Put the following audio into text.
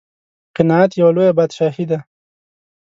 قناعت یوه لویه بادشاهي ده.